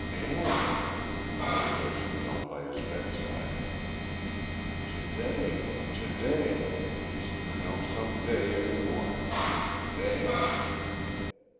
"Ann," he called, as she knelt by his bedside. "To day to day! It's n no' some day any m more. It's to day."